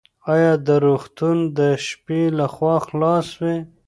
ایا دا روغتون د شپې لخوا خلاص وي؟